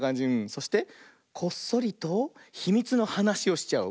そしてこっそりとひみつのはなしをしちゃおう。